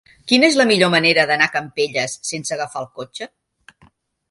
Quina és la millor manera d'anar a Campelles sense agafar el cotxe?